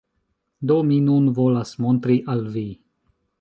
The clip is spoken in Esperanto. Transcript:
Do, mi nun volas montri al vi